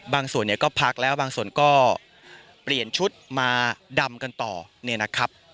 ส่วนใหญ่เนี่ยก็พักแล้วบางส่วนก็เปลี่ยนชุดมาดำกันต่อเนี่ยนะครับ